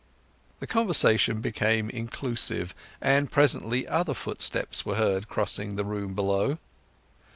The conversation became inclusive, and presently other footsteps were heard crossing the room below.